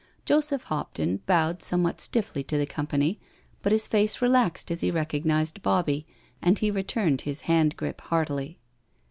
Joseph Hopton bowed somewhat stiffly to the com pany, but his face relaxed as he recognised Bobbie, and he returned his hand grip heartily.